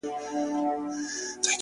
o تا د ورځي زه د ځان كړمه جانـانـه؛